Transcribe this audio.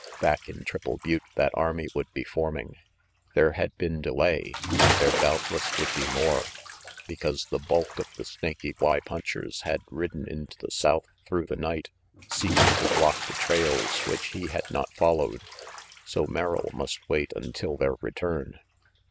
Back in Triple Butte that army would be forming. There had been delay, and there doubtless would be more, because the bulk of the Snaky Y punchers had ridden into the south through the night, seeking to block the trails which he had not followed. So Merrill must wait until their return.